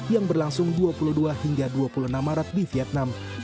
yang berlangsung dua puluh dua hingga dua puluh enam maret di vietnam